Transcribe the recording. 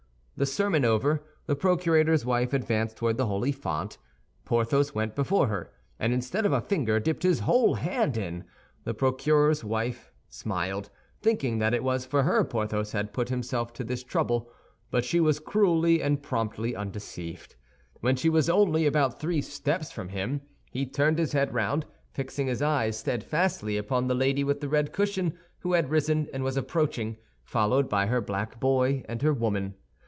The sermon over, the procurator's wife advanced toward the holy font. Porthos went before her, and instead of a finger, dipped his whole hand in. The procurator's wife smiled, thinking that it was for her Porthos had put himself to this trouble; but she was cruelly and promptly undeceived. When she was only about three steps from him, he turned his head round, fixing his eyes steadfastly upon the lady with the red cushion, who had risen and was approaching, followed by her black boy and her woman.